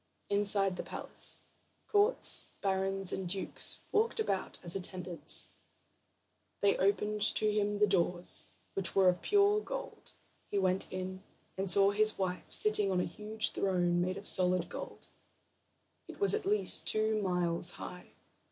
Inside the palace, counts, barons, and dukes walked about as attendants, and they opened to him the doors, which were of pure gold. He went in, and saw his wife sitting on a huge throne made of solid gold. It was at least two miles high.